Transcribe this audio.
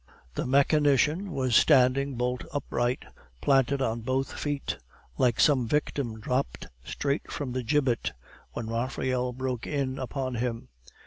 The mechanician was standing bolt upright, planted on both feet, like some victim dropped straight from the gibbet, when Raphael broke in upon him.